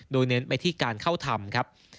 โดยเน้นไปที่การเข้าทำครับ